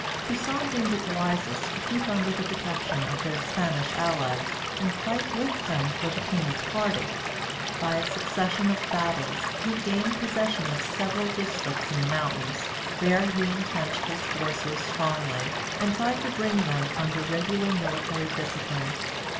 Toussaint deemed it wisest to keep under the protection of their Spanish allies, and fight with them for the king's party. By a succession of battles, he gained possession of several districts in the mountains, where he entrenched his forces strongly, and tried to bring them under regular military discipline.